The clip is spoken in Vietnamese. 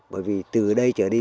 bởi vì từ đây trở đi